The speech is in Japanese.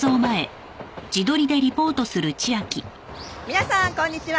「皆さんこんにちは！」